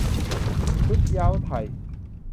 ชุดเหย้าไทย